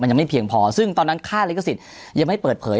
ยังไม่เพียงพอซึ่งตอนนั้นค่าลิขสิทธิ์ยังไม่เปิดเผย